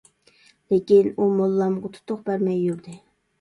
لېكىن ئۇ موللامغا تۇتۇق بەرمەي يۈردى.